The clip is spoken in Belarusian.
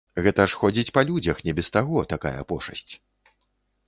Гэта ж ходзіць па людзях, не без таго, такая пошасць.